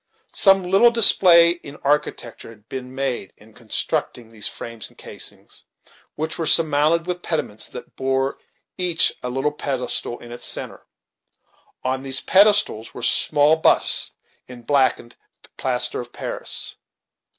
Some little display in architecture had been made in constructing these frames and casings, which were surmounted with pediments, that bore each a little pedestal in its centre; on these pedestals were small busts in blacked plaster of Paris.